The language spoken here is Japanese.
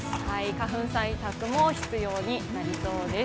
花粉対策も必要になりそうです。